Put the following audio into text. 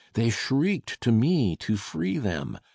They shrieked to me to free them!